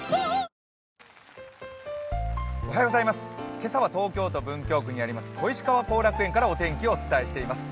今朝は東京都文京区にあります小石川後楽園からお天気をお伝えしています。